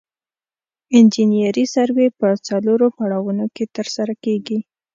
انجنیري سروې په څلورو پړاوونو کې ترسره کیږي